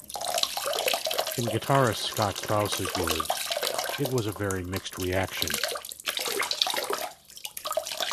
In guitarist Scott Crouse's words: It was a very mixed reaction.